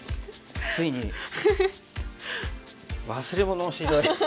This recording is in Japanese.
ついに忘れ物をして。